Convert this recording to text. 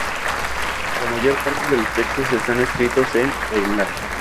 La mayor parte de los textos están escritos en Aymara.